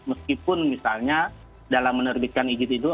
meskipun misalnya dalam menerbitkan izin itu